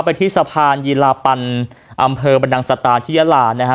ไปที่สะพานยีลาปันอำเภอบรรดังสตาที่ยาลานะฮะ